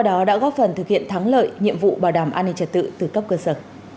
đó đã góp phần thực hiện thắng lợi nhiệm vụ bảo đảm an ninh trật tự từ cấp cơ sở